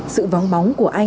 sự vóng bóng của anh